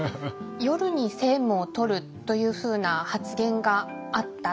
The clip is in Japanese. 夜に政務をとるというふうな発言があった。